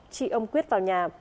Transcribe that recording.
chị ông quyết vào nhà